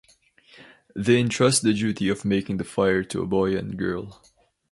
They entrust the duty of making the fire to a boy and girl.